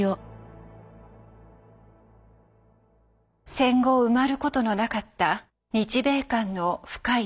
戦後埋まることのなかった日米間の深い溝。